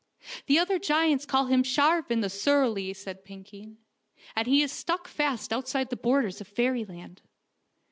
" The other giants called him Sharvan the Surly/' said Piukeen, " and he is stuck fast out side the borders of fairyland."